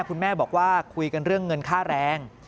คุณแม่บอกว่าคุยกันเรื่องเงินค่าแรง